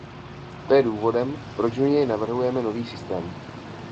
To je důvodem, proč u něj navrhujeme nový systém.